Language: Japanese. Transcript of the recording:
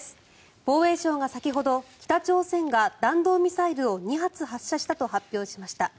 防衛省が先ほど北朝鮮が弾道ミサイルを２発発射したと発表しました。